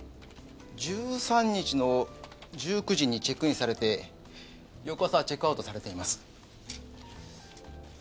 １３日の１９時にチェックインされて翌朝チェックアウトされています。